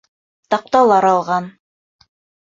Таҡталар алған.